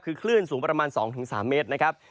คือคลื่นสูงประมาณ๒๓เมตรนะครับ